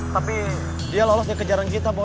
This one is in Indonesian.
tapi dia lolos dari kejaran kita boy